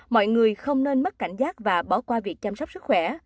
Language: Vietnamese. mọi người không nên mất cảnh giác và bỏ qua việc chăm sóc sức khỏe